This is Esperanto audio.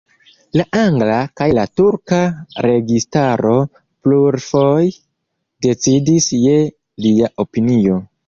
La angla kaj la turka registaro plurfoje decidis je lia opinio.